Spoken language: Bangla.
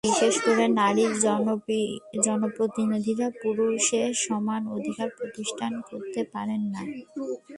বিশেষ করে নারী জনপ্রতিনিধিরা পুরুষের সমান অধিকার প্রতিষ্ঠা করতে পারেন না।